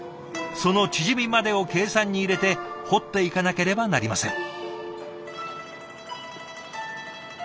その縮みまでを計算に入れて彫っていかなければなりません。